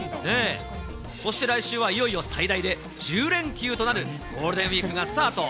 そして来週はいよいよ最大で１０連休となるゴールデンウィークがスタート。